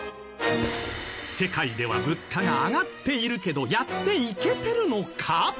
世界では物価が上がっているけどやっていけてるのか？